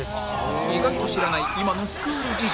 意外と知らない今のスクール事情